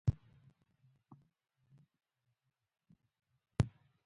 د احمد بخت ويده دی.